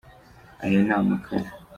aya ni amakara